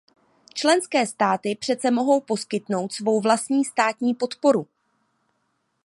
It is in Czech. Členské státy přece mohou poskytnout svou vlastní státní podporu.